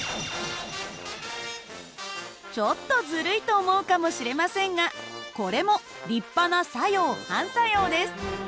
ちょっとずるいと思うかもしれませんがこれも立派な作用・反作用です。